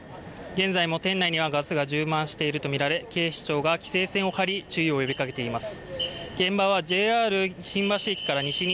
現在も店内にはガスが充満しているとみられ警視庁が規制線を張り、注意を呼びかけています。